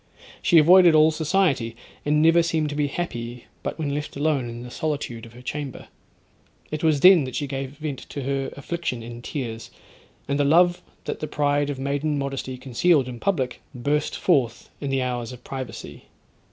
She avoided all society, and never seemed to be happy but when left alone in the solitude of her chamber. It was then that she gave vent to her affliction in tears; and the love that the pride of maiden modesty concealed in public, burst forth in the hours of privacy.